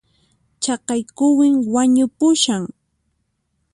Chaqay quwin wañupushan